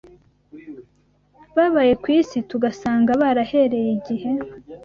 babaye ku isi tugasanga barahereye igihe